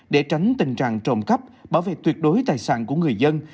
để tránh tình trạng trộm cắp bảo vệ tuyệt đối tài sản của người dân